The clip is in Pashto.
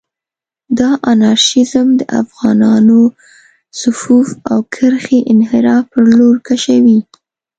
دا انارشېزم د افغانانانو صفوف او کرښې انحراف پر لور کشوي.